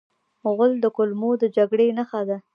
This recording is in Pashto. غول د کولمو د جګړې نښه ده.